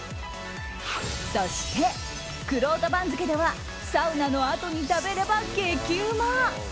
そして、くろうと番付ではサウナのあとに食べれば激うま！